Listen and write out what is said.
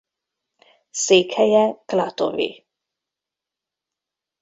Székhelye Klatovy.